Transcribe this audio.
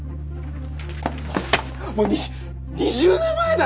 もう２０年前だよ！？